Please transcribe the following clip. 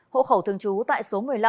hộ khẩu thường trú tại số một mươi năm